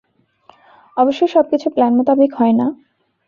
অবশ্যই সবকিছু প্ল্যান মোতাবেক হয় না।